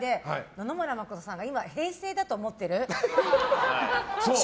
野々村真さんが今、平成だと思ってる。